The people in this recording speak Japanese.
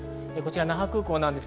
那覇空港です。